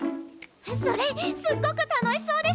それすっごく楽しそうです！